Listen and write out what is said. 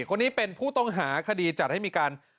คนนี้เป็นผู้ต้องหาคดีจัดให้มีการ